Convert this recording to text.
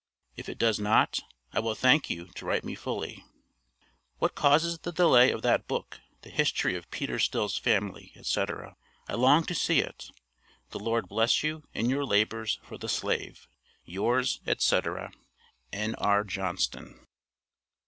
If it does not, I will thank you to write me fully. What causes the delay of that book, the History of Peter Still's Family, etc.? I long to see it. The Lord bless you in your labors for the slave. Yours, etc., N.R. JOHNSTON.